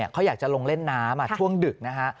เขาอยากจะลงเล่นน้ำช่วงดึกนะฮะ